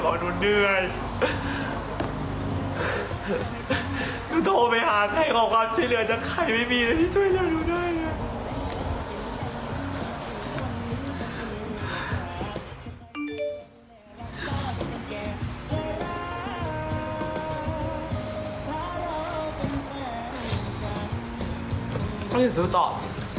เอิรุตูศมาสวัสดีค่ะ